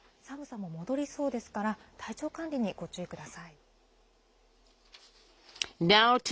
寒さも戻りそうですから、体調管理にご注意ください。